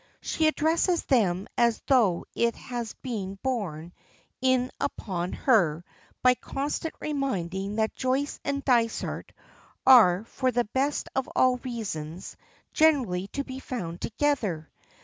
She addresses them as though it has been borne in upon her by constant reminding that Joyce and Dysart are for the best of all reasons generally to be found together.